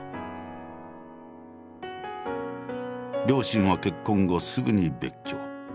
両親は結婚後すぐに別居。